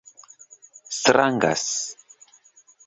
strangas